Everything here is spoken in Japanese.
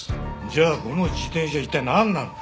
じゃあこの自転車は一体なんなんだ？